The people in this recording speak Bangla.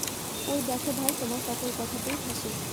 ওই দেখো ভাই, তোমার সকল কথাতেই হাসি।